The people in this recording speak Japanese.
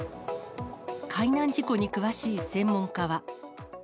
海難事故に詳しい専門家は。